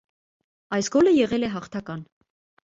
Այդ գոլը եղել է հաղթական։